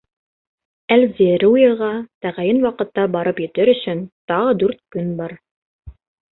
Әл-Зеруйаға тәғәйен ваҡытта барып етер өсөн тағы дүрт көн бар.